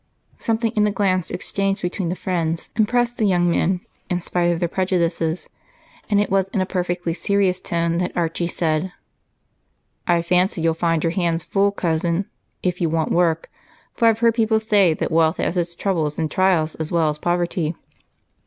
Something in the glance exchanged between the friends impressed the young men in spite of their prejudices, and it was in a perfectly serious tone that Archie said, "I fancy you'll find your hands full, Cousin, if you want work, for I've heard people say that wealth has its troubles and trials as well as poverty."